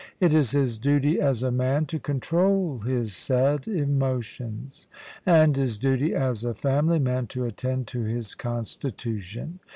It is his duty, as a man, to control his sad emotions; and his duty, as a family man, to attend to his constitution."